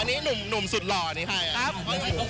อันนี้หนุ่มหนุ่มสุดหล่อนี่ไหมครับ